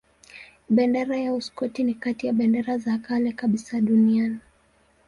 Bendera ya Uskoti ni kati ya bendera za kale kabisa duniani.